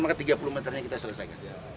maka tiga puluh meternya kita selesaikan